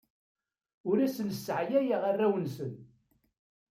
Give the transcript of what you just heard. Ur asen-sseɛyayeɣ arraw-nsen.